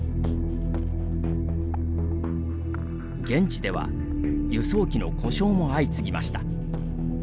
現地では輸送機の故障も相次ぎました。